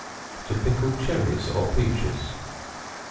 To Pickle Cherries or Peaches.